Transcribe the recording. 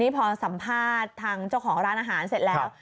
พอสัมภาษณ์ทางเจ้าของร้านอาหารเสร็จแล้ว